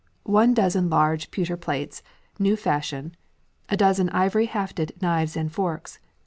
One Duzen large Pewter Plates, new fashion, a Duzen Ivory hafted knives and forks.